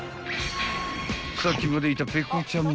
［さっきまでいたペコちゃんママ